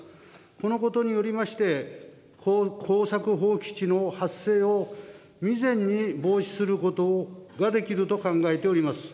このことによりまして、耕作放棄地の発生を未然に防止することができると考えております。